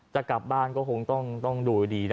จะกลับบ้านก็คงต้องดูดีนะ